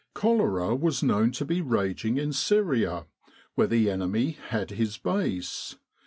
Cholera was known to be raging in Syria, where the enemy had his base.